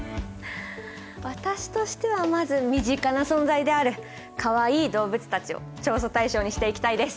私としてはまず身近な存在であるかわいい動物たちを調査対象にしていきたいです。